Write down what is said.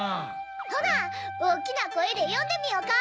ほなおおきなこえでよんでみよか？